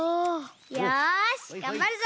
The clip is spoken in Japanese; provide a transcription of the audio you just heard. よしがんばるぞ！